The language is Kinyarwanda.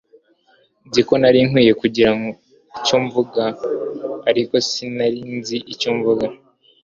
Nzi ko nari nkwiye kugira icyo mvuga, ariko sinari nzi icyo mvuga.